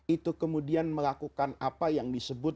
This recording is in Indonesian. itu kemudian melakukan apa yang disebut